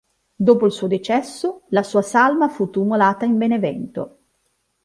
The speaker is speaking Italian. Dopo il suo decesso, la sua salma fu tumulata in Benevento.